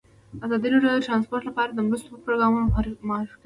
ازادي راډیو د ترانسپورټ لپاره د مرستو پروګرامونه معرفي کړي.